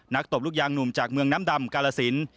ตบลูกยางหนุ่มจากเมืองน้ำดำกาลสิน